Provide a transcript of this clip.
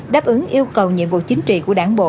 đáp ứng yêu cầu nhiệm vụ chính trị của đảng bộ